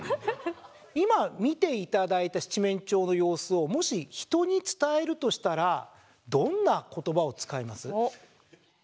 今見て頂いた七面鳥の様子をもし人に伝えるとしたらどんな言葉を使います？